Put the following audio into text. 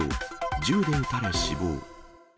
銃で撃たれ死亡。